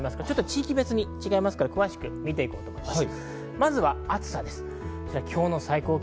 地域別に違いますから、詳しく見て行こうと思います。